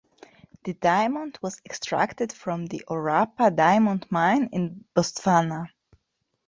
The diamond was extracted from the Orapa diamond mine in Botswana.